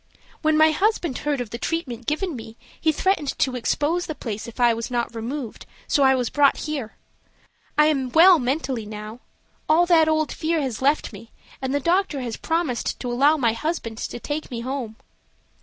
When my husband heard of the treatment given me he threatened to expose the place if I was not removed, so I was brought here. I am well mentally now. All that old fear has left me, and the doctor has promised to allow my husband to take me home."